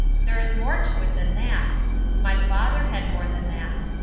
There is more to it than that. My father had more than that.